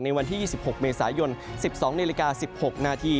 ในวันที่๒๖เมษายน๑๒น๑๖น